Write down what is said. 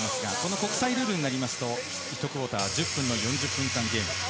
国際ルールになりますと、１クオーター１０分の４０分間ゲーム。